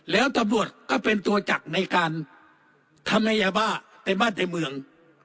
แล้วตำรวจก็เป็นตัวจักรในการทำให้ยาบ้าในบ้านในเมือง